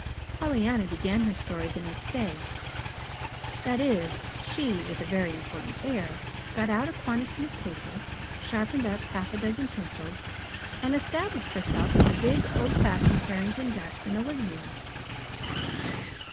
Pollyanna began her story the next day. That is, she, with a very important air, got out a quantity of paper, sharpened up half a dozen pencils, and established herself at the big old fashioned Harrington desk in the living room.